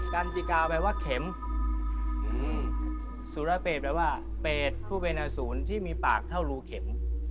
กันจิกาแปลว่าเข็มสุรเปศแปลว่าเปรตผู้เป็นอสูรที่มีปากเท่ารูเข็ม